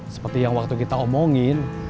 seperti yang waktu kita omongin